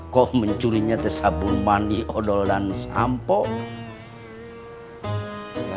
kok mencurinya sabun mandi dodol dan sampul